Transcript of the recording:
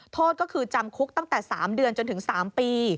โทษก็คือจำคุกตั้งแต่๓เดือนจนถึง๓ปี